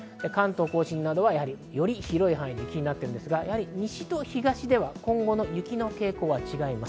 関東甲信などはより広い範囲、雪になっているんですが、西と東では今後の雪の傾向が違います。